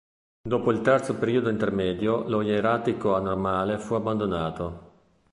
Dopo il Terzo periodo intermedio lo ieratico anormale fu abbandonato.